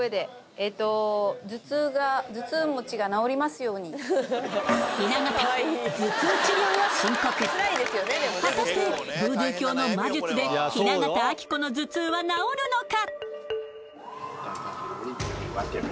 えと頭痛が雛形頭痛治療を申告果たしてブードゥー教の魔術で雛形あきこの頭痛は治るのか？